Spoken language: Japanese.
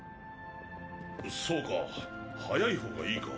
そうか早いほうがいいか。